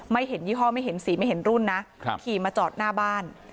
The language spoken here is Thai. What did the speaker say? ไม่เห็นยี่ห้อไม่เห็นสีไม่เห็นรุ่นนะขี่มาจอดหน้าบ้าน